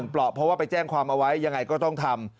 เพราะว่าไปแจ้งความเอาไว้ยังไงก็ต้องทำ